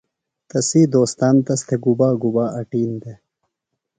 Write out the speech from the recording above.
تسی دوستان تس تھےۡ گُبا گُبا اٹِین دےۡ؟